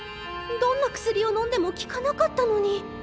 どんな薬をのんでも効かなかったのに！